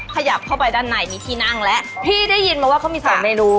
ขยับเข้าไปด้านในมีที่นั่งแล้วพี่ได้ยินมาว่าเขามีสองเมนู